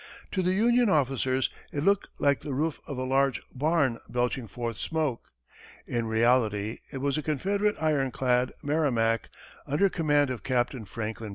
To the Union officers, it looked like the roof of a large barn belching forth smoke. In reality, it was the Confederate ironclad, Merrimac, under command of Captain Franklin Buchanan.